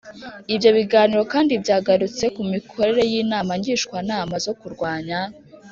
Ibyo biganiro kandi byagarutse ku mikorere y inama ngishwanama zo kurwanya